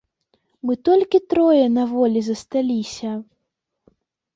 Мы толькі трое на волі засталіся!